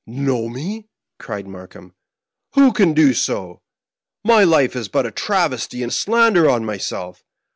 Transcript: "Know me!" cried Markheim; "who can do so? My life is but a travesty and slander on myself.